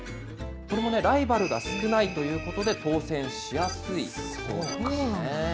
これもね、ライバルが少ないということで、当せんしやすいそうですね。